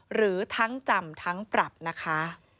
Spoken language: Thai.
หรือทั้งจำทั้งปรับนะคะ